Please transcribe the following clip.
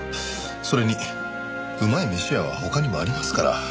それにうまい飯屋は他にもありますから。